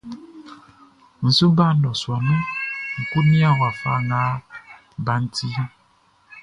N su ba nnɔsua nun ń kó nían wafa nga baʼn tiʼn.